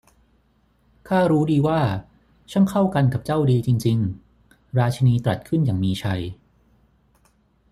'ข้ารู้ดีว่า ช่างเข้ากันกับเจ้าดีจริง ๆ ! ' ราชินีตรัสขึ้นอย่างมีชัย